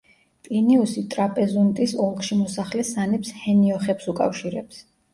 პლინიუსი ტრაპეზუნტის ოლქში მოსახლე სანებს ჰენიოხებს უკავშირებს.